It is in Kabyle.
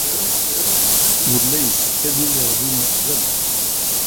Yella yessefk ad iliɣ din uqbel.